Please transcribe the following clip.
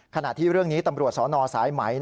ขณะที่เรื่องนี้ตำรวจสนสายไหม